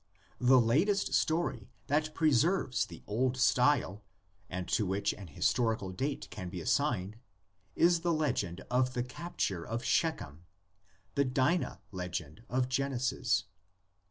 The latest story that preserves the old style and to which an historical date can be assigned is the legend of the capture of Shechem, the Dinah legend of Genesis.